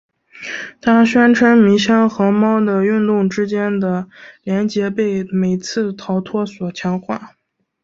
他宣称迷箱和猫的运动之间的联结被每次逃脱所强化。